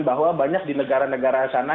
bahwa banyak di negara negara sana